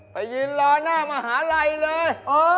ไปยืนรอหน้ามหาลัยเลย